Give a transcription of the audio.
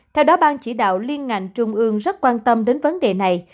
theo đó bang chỉ đạo liên ngành trung ương rất quan tâm đến vấn đề này